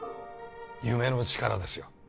夢の力ですよ